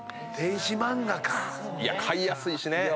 買いやすいしね。